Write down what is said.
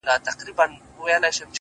ځوان خپل څادر پر سر کړ ـ